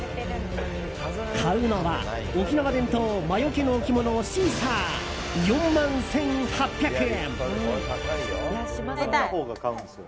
買うのは沖縄伝統魔よけの置物、シーサー４万１８００円。